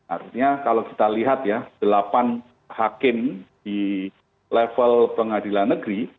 artinya kalau kita lihat ya delapan hakim di level pengadilan negeri